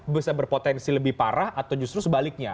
bisa berpotensi lebih parah atau justru sebaliknya